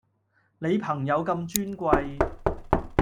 你朋友咁尊貴